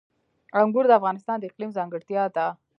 انګور د افغانستان د اقلیم ځانګړتیا ده.